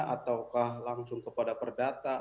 ataukah langsung kepada perdata